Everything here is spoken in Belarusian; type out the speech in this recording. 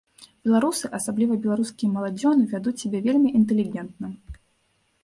Беларусы, асабліва беларускія маладзёны, вядуць сябе вельмі інтэлігентна.